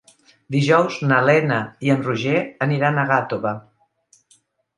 Dijous na Lena i en Roger aniran a Gàtova.